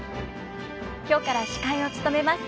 今日から司会を務めます